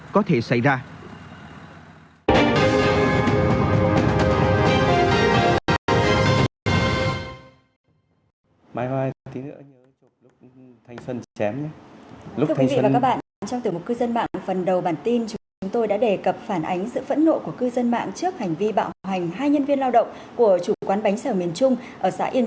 có thể xảy ra